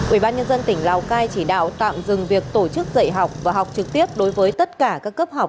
ubnd tỉnh lào cai chỉ đạo tạm dừng việc tổ chức dạy học và học trực tiếp đối với tất cả các cấp học